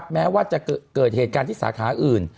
แม้ว่าจะเกิดเหตุการณ์ที่สาขาอื่น